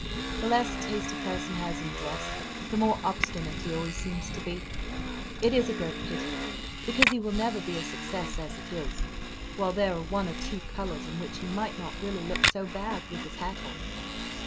the less taste a person has in dress, the more obstinate he always seems to be. It is a great pity, because he will never be a success as it is, while there are one or two colours in which he might not really look so bad, with his hat on.